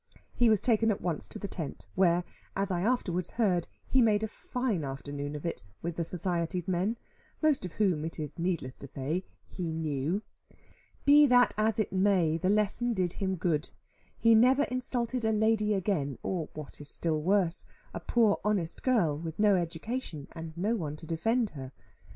He was taken at once to the tent; where, as I afterwards heard, he made a fine afternoon of it with the society's men; most of whom, it is needless to say, he knew. Be that as it may, the lesson did him good. He never insulted a lady again, or (what is still worse) a poor honest girl, with no education, and no one to defend her.